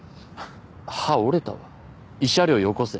歯折れたわ慰謝料よこせ